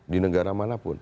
di negara manapun